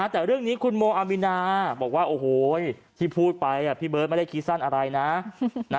แต่เรื่องนี้คุณโมอามินาบอกว่าโอ้โหที่พูดไปพี่เบิร์ตไม่ได้คิดสั้นอะไรนะ